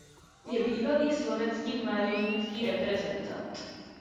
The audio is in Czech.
Je bývalý slovinský mládežnický reprezentant.